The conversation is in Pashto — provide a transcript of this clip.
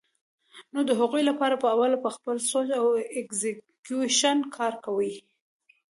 نو د هغې له پاره به اول پۀ خپل سوچ او اېکزیکيوشن کار کوي